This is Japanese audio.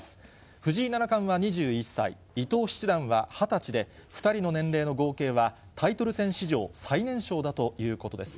藤井七冠は２１歳、伊藤七段は２０歳で、２人の年齢の合計はタイトル戦史上最年少だということです。